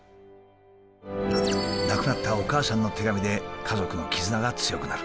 亡くなったお母さんの手紙で家族の絆が強くなる。